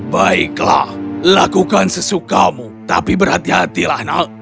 baiklah lakukan sesukamu tapi berhati hatilah nal